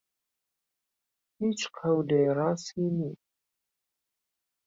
هیچ قهولێ راسی نییه